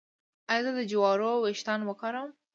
ایا زه د جوارو ويښتان وکاروم؟